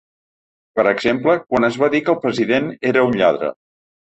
Per exemple, quan es va dir que el president era un lladre.